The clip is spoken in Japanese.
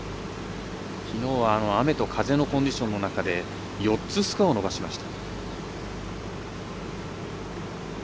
きのうは雨と風のコンディションの中で４つ、スコアを伸ばしました。